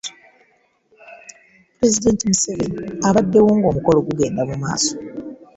Pulezidenti Museveni abaddewo ng’omukolo gugenda mu maaso.